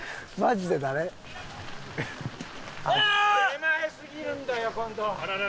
手前すぎるんだよ今度。